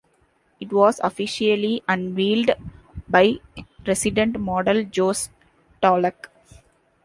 This was officially unveiled by resident model Josh Tallack.